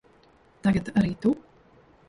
Tagad arī tu?